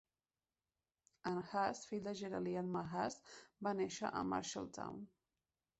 En Huss, fill de Gerald i Elma Huss, va nàixer a Marshalltown.